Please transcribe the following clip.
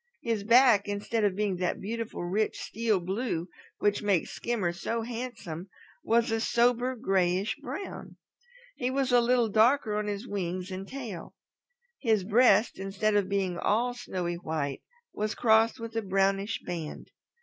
His back, instead of being that beautiful rich steel blue which makes Skimmer so handsome, was a sober grayish brown. He was a little darker on his wings and tail. His breast, instead of being all snowy white, was crossed with a brownish band.